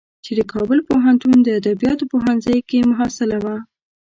چې د کابل پوهنتون د ادبیاتو پوهنځی کې محصله وه.